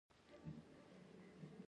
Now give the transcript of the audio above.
د خوست په باک کې د سمنټو مواد شته.